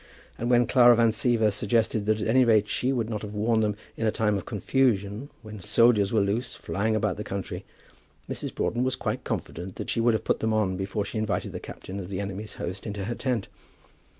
And when Clara Van Siever suggested that at any rate she would not have worn them in a time of confusion when soldiers were loose, flying about the country, Mrs. Broughton was quite confident that she would have put them on before she invited the captain of the enemy's host into her tent.